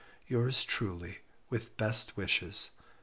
Your's truly with best wishes.